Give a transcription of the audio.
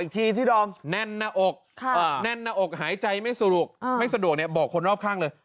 อีกทีที่ดอมแน่นหน้าอกแน่นหน้าอกหายใจไม่สนุกไม่สะดวกบอกคนรอบข้างเลย